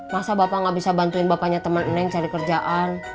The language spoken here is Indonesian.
masa bapak gak bisa bantuin bapaknya temen neng cari kerjaan